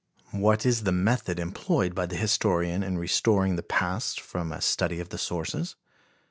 What is the method employed by the historian in restoring the past from a study of the sources?